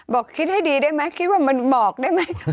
บอกคิดให้ดีได้ไหมคิดว่ามันบอกได้ไหม